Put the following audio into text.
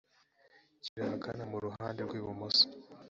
kiri ahagana mu ruhande rw ibumoso